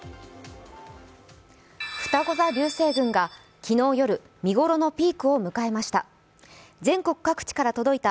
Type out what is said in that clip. ふたご座流星群が昨日夜、見頃のピークを迎えました。